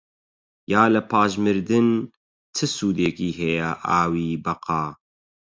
یا لە پاش مردن چ سوودێکی هەیە ئاوی بەقا؟